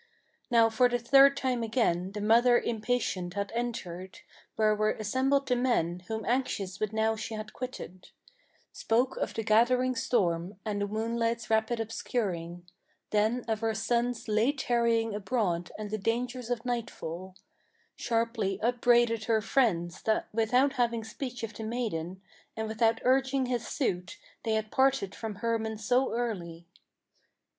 Now for the third time again the mother impatient had entered Where were assembled the men, whom anxious but now she had quitted; Spoke of the gathering storm, and the moonlight's rapid obscuring; Then of her son's late tarrying abroad and the dangers of nightfall; Sharply upbraided her friends that without having speech of the maiden, And without urging his suit, they had parted from Hermann so early.